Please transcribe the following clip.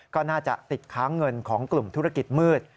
ก็น่าจะติดค้างเงินของกลุ่มธุรกิจมืด